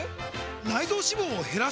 内臓脂肪を減らす！？